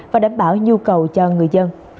và đảm bảo nhu cầu cho người dân